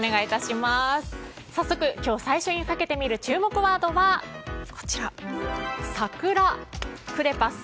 早速、今日最初にかけてみる注目ワードはサクラクレパス